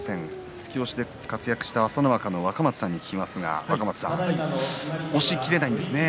突き押しで活躍した朝乃若の若松さんに聞きますが若松さん、押しきれないんですね。